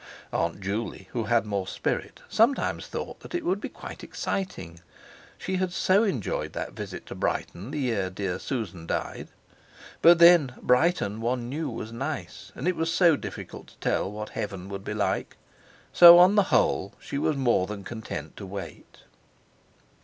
Aunt Juley, who had more spirit, sometimes thought it would be quite exciting; she had so enjoyed that visit to Brighton the year dear Susan died. But then Brighton one knew was nice, and it was so difficult to tell what heaven would be like, so on the whole she was more than content to wait.